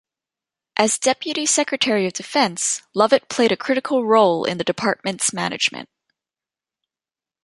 As deputy secretary of defense, Lovett played a critical role in the department's management.